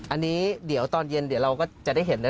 อันนี้เดี๋ยวตอนเย็นเดี๋ยวเราก็จะได้เห็นนะ